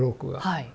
はい。